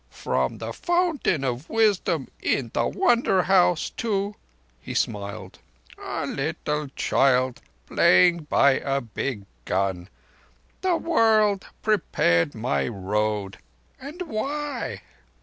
From the Fountain of Wisdom in the Wonder House to"—he smiled—"a little child playing by a big gun—the world prepared my road. And why?"